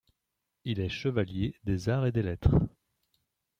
Il est chevalier des Arts et des Lettres.